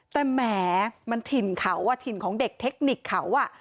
แต่แหมมันถิ่นเขาอ่ะถิ่นของเด็กเทคนิคเขาอ่ะ